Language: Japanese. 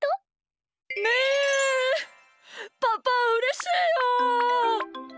パパうれしいよ！